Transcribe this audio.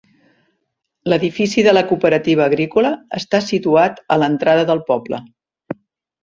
L'edifici de la cooperativa agrícola està situat a l'entrada del poble.